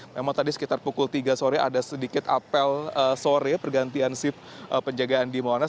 memang tadi sekitar pukul tiga sore ada sedikit apel sore pergantian sip penjagaan di monas